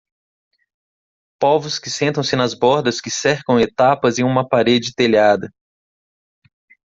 Povos que sentam-se nas bordas que cercam etapas e uma parede telhada.